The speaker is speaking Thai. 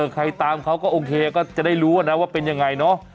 ใครตามเขาก็โอเคก็จะได้รู้นะว่าเป็นยังไงเนาะ